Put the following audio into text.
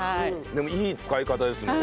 でもいい使い方ですもん